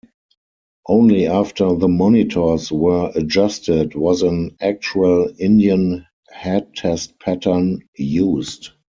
Only after the monitors were adjusted was an actual Indian-head test pattern used.